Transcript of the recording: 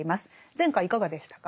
前回いかがでしたか？